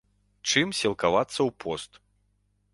Чым сілкавацца ў пост?